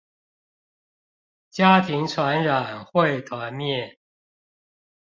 家庭傳染會團滅